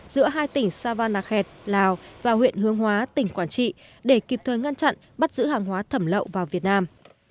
giữa hai tỉnh savanakhet lào và huyện hương hóa tỉnh quảng trị để kịp thời ngăn chặn bắt giữ hàng hóa thẩm lậu vào việt nam